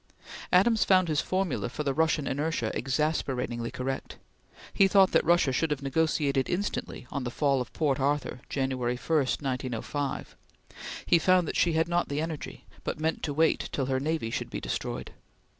Adams found his formula for Russian inertia exasperatingly correct. He thought that Russia should have negotiated instantly on the fall of Port Arthur, January 1, 1905; he found that she had not the energy, but meant to wait till her navy should be destroyed.